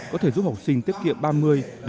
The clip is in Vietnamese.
có thể giúp học sinh tiết kiệm ba mươi năm mươi